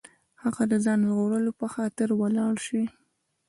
هغه د ځان ژغورلو په خاطر ولاړ شي.